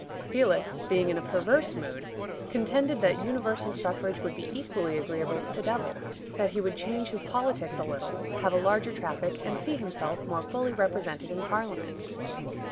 Felix, being in a perverse mood, contended that universal suffrage would be equally agreeable to the devil; that he would change his politics a little, have a larger traffic, and see himself more fully represented in Parliament.